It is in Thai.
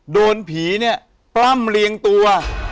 โดนผีเนี่ยปล้ำเรียงตัว